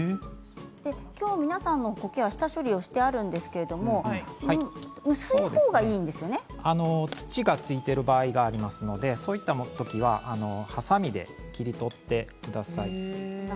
今日皆さんのこけは下処理してあるんですけども土が付いている場合がありますので、そういう時ははさみで切り取ってください。